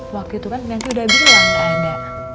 waktu itu kan nanti udah bilang gak ada